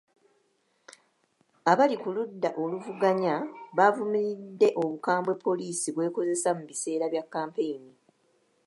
Abali ku ludda oluvuganya bavumiridde obukambwe poliisi bw'ekozesa mu biseera bya kampeyini.